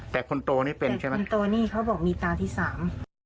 แต่คนโตนี่เป็นใช่ไหมคนโตนี่เขาบอกมีตาที่สาม